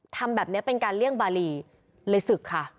ทำแบบนี้เป็นการเลี่ยงบารีเลยศึกค่ะ